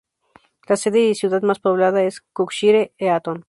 La sede y ciudad más poblada es Cookshire-Eaton.